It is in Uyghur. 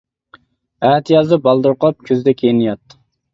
ئەتىيازدا بالدۇر قوپ، كۈزدە كېيىن يات.